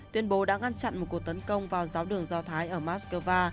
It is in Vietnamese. tuyên bố đã ngăn chặn một cuộc tấn công vào giáo đường do thái ở moscow